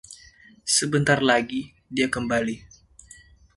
Sebentar lagi, dia kembali.